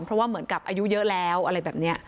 เพราะว่าเหมือนกับอายุเยอะแล้วอะไรแบบนี้